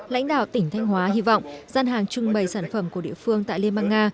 lãnh đạo tỉnh thanh hóa hy vọng gian hàng trưng bày sản phẩm của địa phương tại liên bang nga